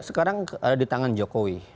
sekarang ada di tangan jokowi